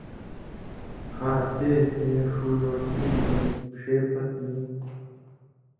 خا تے تے ݜُو لوڈ شیڈِن٘گَیں ݜے پتہۡ نی تھی